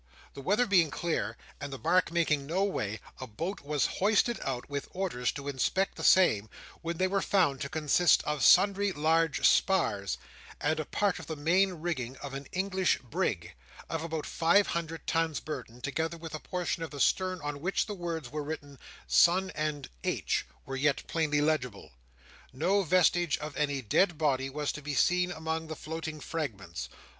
The weather being clear, and the barque making no way, a boat was hoisted out, with orders to inspect the same, when they were found to consist of sundry large spars, and a part of the main rigging of an English brig, of about five hundred tons burden, together with a portion of the stem on which the words and letters "Son and H " were yet plainly legible. No vestige of any dead body was to be seen upon the floating fragments.